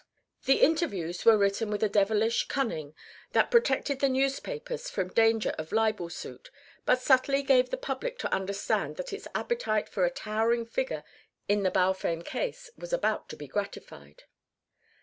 The interviews were written with a devilish cunning that protected the newspapers from danger of libel suit but subtly gave the public to understand that its appetite for a towering figure in the Balfame case was about to be gratified.